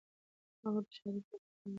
هغه د شهادت په وخت پېغله وه.